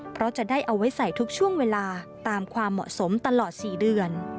เพราะจะได้เอาไว้ใส่ทุกช่วงเวลาตามความเหมาะสมตลอด๔เดือน